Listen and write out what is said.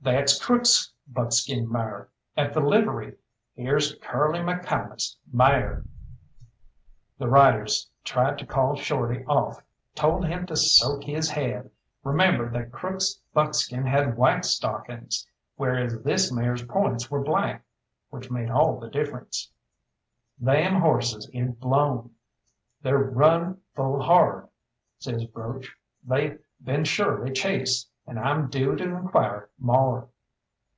That's Crook's buckskin mare at the livery here's Curly McCalmont's mare!" The riders tried to call Shorty off, told him to soak his head, remembered that Crook's buckskin had white stockings, whereas this mare's points were black, which made all the difference. "Them horses is blown, they're run full hard," says Broach; "they've been surely chased, and I'm due to inquire more."